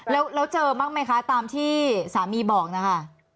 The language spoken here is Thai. แล้วเจอบ้างไหมคะตามที่สามีบอกนะคะ